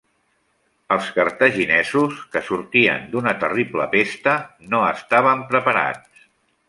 Els cartaginesos, que sortien d'una terrible pesta, no estaven preparats.